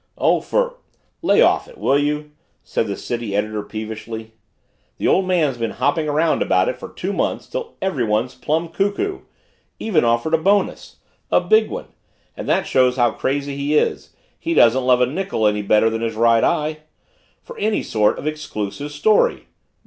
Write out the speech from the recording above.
"Oh, for lay off it, will you?" said the city editor peevishly. "The Old Man's been hopping around about it for two months till everybody's plumb cuckoo. Even offered a bonus a big one and that shows how crazy he is he doesn't love a nickel any better than his right eye for any sort of exclusive story.